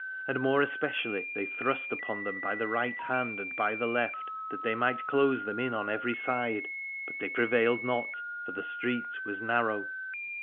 And more especially they thrust upon them by the right hand and by the left, that they might close them in on every side : but they prevailed not, for the street was narrow.